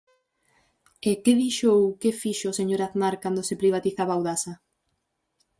E ¿que dixo ou que fixo o señor Aznar cando se privatizaba Audasa?